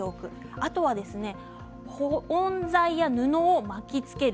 あとは保温材や布を巻きつける。